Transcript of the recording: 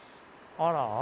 あら！